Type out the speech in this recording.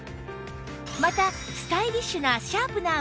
またスタイリッシュなシャープナーもご用意